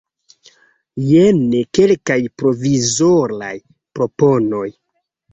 Jen kelkaj provizoraj proponoj.